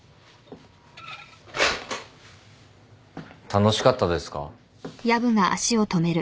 楽しかったですか？